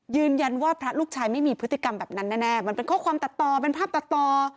ยืนยันว่าพระลูกชายไม่มีพฤติกรรมแบบนั้นแน่มันเป็นข้อความตัดต่อเป็นภาพตัดต่อ